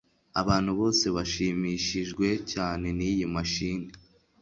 Abantu bose bashimishijwe cyane niyi mashini